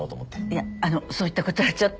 いやあのそういったことはちょっと。